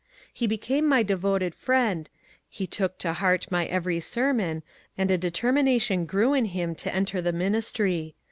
He became my devoted friend, he took to heart my every sermon, and a determination grew in him to enter the ministry.